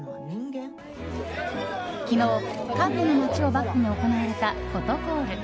昨日カンヌの街をバックに行われたフォトコール。